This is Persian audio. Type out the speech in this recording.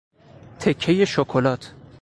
تکهی شکلات